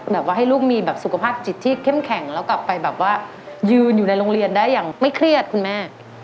แบบว่าให้ลูกมีแบบสุขภาพจิตที่เข้มแข็งแล้วกลับไปแบบว่ายืนอยู่ในโรงเรียนได้อย่างไม่เครียดคุณแม่